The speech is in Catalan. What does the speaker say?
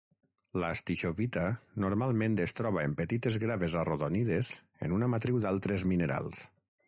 La stishovita normalment es troba en petites graves arrodonides en una matriu d'altres minerals.